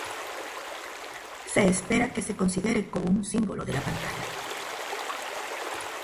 Se espera que se considere como un símbolo de la pantalla.